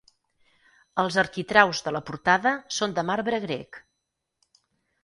Els arquitraus de la portada són de marbre grec.